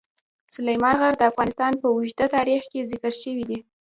سلیمان غر د افغانستان په اوږده تاریخ کې ذکر شوی دی.